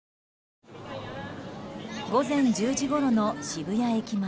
午前１０時ごろの渋谷駅前。